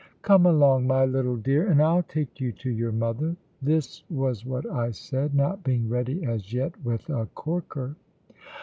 "Come along, my little dear, and I'll take you to your mother." This was what I said, not being ready, as yet, with a corker.